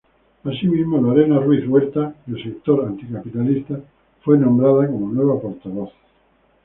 Así mismo, Lorena Ruiz-Huerta del sector Anticapitalista fue nombrada como nueva portavoz.